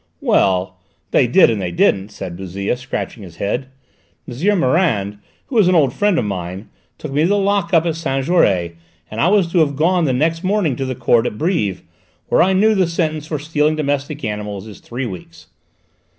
"Well, they did and they didn't," said Bouzille, scratching his head. "M'sieu Morand, who is an old friend of mine, took me to the lock up at Saint Jaury, and I was to have gone next morning to the court at Brives, where I know the sentence for stealing domestic animals is three weeks.